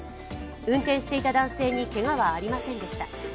運転していた男性にけがはありませんでした。